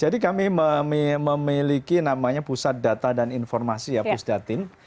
jadi kami memiliki namanya pusat data dan informasi ya pusdatin